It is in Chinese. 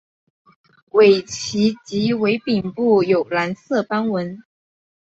尾鳍及尾柄部有蓝色斑纹。